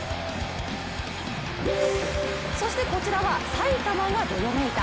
そしてこちらは埼玉がどよめいた。